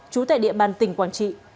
chú tại địa bàn tỉnh quảng trị